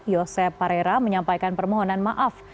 yosep parera menyampaikan permohonan maaf